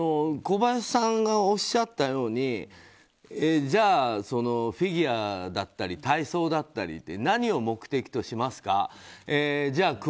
小林さんがおっしゃったようにフィギュアだったり体操だったり何を目的としますかじゃあ